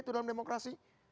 itu dalam demokrasi